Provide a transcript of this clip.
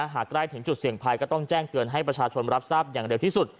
ใกล้ถึงจุดเสี่ยงภัยก็ต้องแจ้งเตือนให้ประชาชนรับทราบอย่างเร็วที่สุด